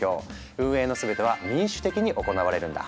運営の全ては民主的に行われるんだ。